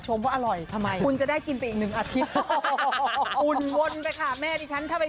ฉันจะว่าสะกิดไทย